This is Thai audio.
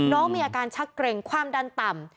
น้องมีอาการชักเกร็งความดันต่ำ